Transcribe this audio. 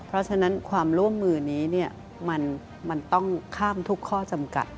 เพราะฉะนั้นความร่วมมือนี้มันต้องข้ามทุกข้อจำกัด